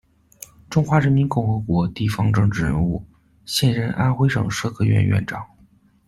中华人民共和国地方政治人物，现任安徽省社科院院长。